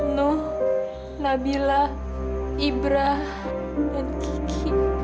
nuh nabilah ibrah dan kiki